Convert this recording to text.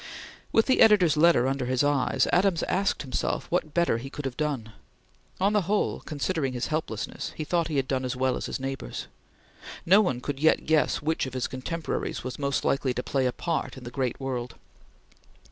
With the editor's letter under his eyes, Adams asked himself what better he could have done. On the whole, considering his helplessness, he thought he had done as well as his neighbors. No one could yet guess which of his contemporaries was most likely to play a part in the great world.